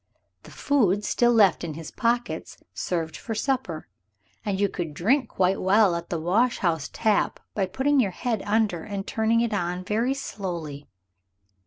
The food still left in his pockets served for supper, and you could drink quite well at the wash house tap by putting your head under and turning it on very slowly.